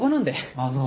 あっそう。